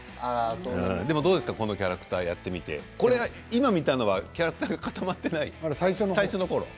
でもどうですかこのキャラクターやってみて今見たのはキャラクターが固まっていない最初のころ？